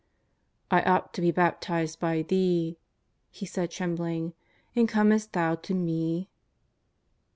" I ought to be baptized by Thee," he said trembling, *^ and comest Thou to me